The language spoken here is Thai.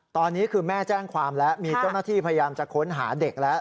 ตอนนี้คือแม่แจ้งความแล้วมีเจ้าหน้าที่พยายามจะค้นหาเด็กแล้ว